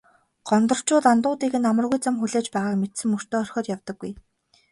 Гондорчууд андуудыг нь амаргүй зам хүлээж байгааг мэдсэн мөртөө орхиод явдаггүй.